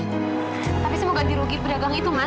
tapi semoga dirugir pedagang itu mas